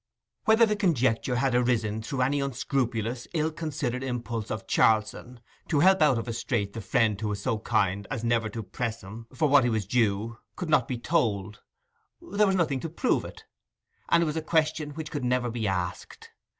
Whether the conjuncture had arisen through any unscrupulous, ill considered impulse of Charlson to help out of a strait the friend who was so kind as never to press him for what was due could not be told; there was nothing to prove it; and it was a question which could never be asked.